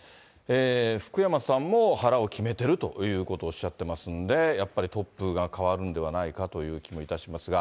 福山さんも腹を決めてるということをおっしゃってますんで、やっぱりトップが代わるんではないかという気もいたしますが。